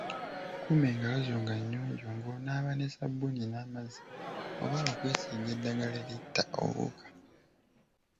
Kuuma engalo zo nga nnyonjo ng’onaaba ne ssabbuuni n’amazzi oba okwesiiga eddagala eritta obuwuka.